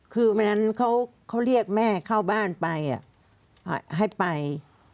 คือวันนั้นเขาเรียกแม่เข้าบ้านไปให้ไป